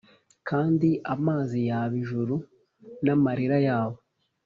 kandi amazi yaba ijuru n'amarira yabo: